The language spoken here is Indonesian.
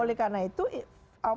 oleh karena itu